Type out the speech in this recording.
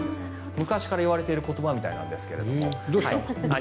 昔から言われている言葉みたいなんですけど。